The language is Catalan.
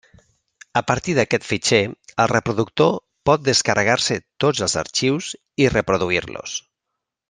A partir d'aquest fitxer el reproductor pot descarregar-se tots els arxius i reproduir-los.